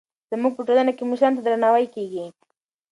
زموږ په ټولنه کې مشرانو ته درناوی کېږي.